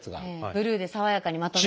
ブルーで爽やかにまとまって。